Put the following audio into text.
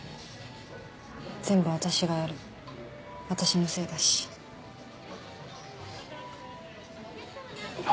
全部私がやる私のせいだしあ